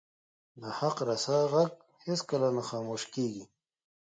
د حق رسا ږغ هیڅکله نه خاموش کیږي